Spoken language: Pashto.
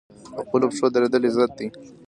په خپلو پښو دریدل عزت دی